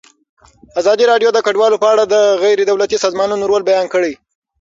ازادي راډیو د کډوال په اړه د غیر دولتي سازمانونو رول بیان کړی.